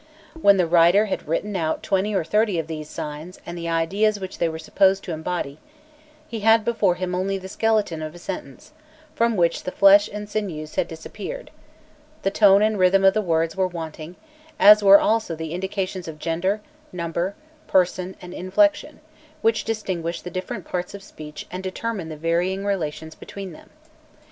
When the writer had written out twenty or thirty of these signs and the ideas which they were supposed to embody, he had before him only the skeleton of a sentence, from which the flesh and sinews had disappeared; the tone and rhythm of the words were wanting, as were also the indications of gender, number, person, and inflection, which distinguish the different parts of speech and determine the varying relations between them.